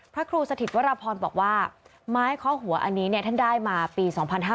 พระครูสถิตวรพรบอกว่าไม้เคาะหัวอันนี้ท่านได้มาปี๒๕๕๙